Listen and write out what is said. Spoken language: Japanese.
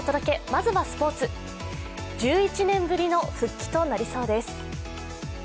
１１年ぶりの復帰となりそうです。